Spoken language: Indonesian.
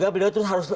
beliau terus harus